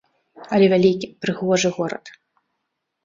Але вялікі, прыгожы горад.